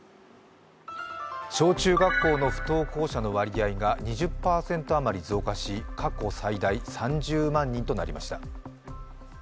小中学校の不登校者の割合が２０％あまり増加し、過去最大３０万人となりました。